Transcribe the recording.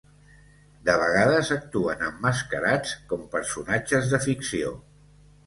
De vegades actuen emmascarats com personatges de ficció.